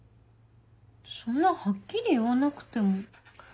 そんなはっきり言わなくても。